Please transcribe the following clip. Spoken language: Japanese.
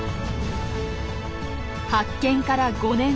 発見から５年。